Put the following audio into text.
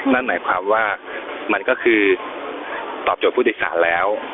นั่นหมายความว่ามันก็คือตอบโจทย์ผู้โดยสารแล้ว